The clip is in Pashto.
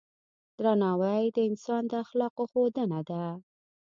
درناوی د انسان د اخلاقو ښودنه ده.